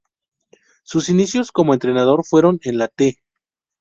Sus inicios como entrenador fueron en la "T".